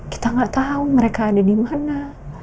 kita ga tau mereka ada dimana